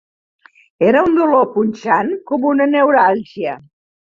Era un dolor punxant, com una neuràlgia